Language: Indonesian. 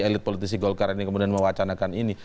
elit politisi golkar ini kemudian mewacanakan ini